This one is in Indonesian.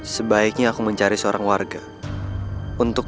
sebaiknya aku mencari seorang warga untuk